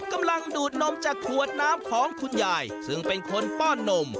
ดูดนมจากขวดน้ำของคุณยายซึ่งเป็นคนป้อนนม